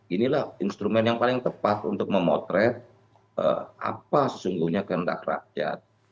inilah instrumen yang paling tepat untuk memotret apa sesungguhnya kehendak rakyat